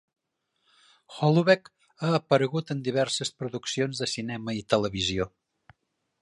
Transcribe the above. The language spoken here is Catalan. Holoubek ha aparegut en diverses produccions de cinema i televisió.